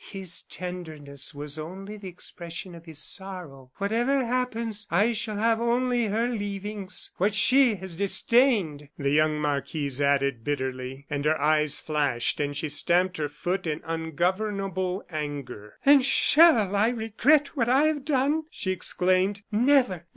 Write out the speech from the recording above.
His tenderness was only the expression of his sorrow. Whatever happens, I shall have only her leavings what she has disdained!" the young marquise added, bitterly; and her eyes flashed, and she stamped her foot in ungovernable anger. "And shall I regret what I have done?" she exclaimed; "never!